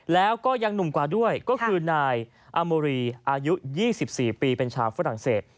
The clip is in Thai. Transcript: แล้วก็ยังหนุ่มกว่าด้วยก็คือนายอาโมรีอายุ๒๔ปีเป็นชาวฝรั่งเศส